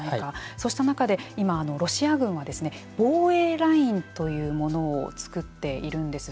そうした中で今、ロシア軍は防衛ラインというものを作っているんです。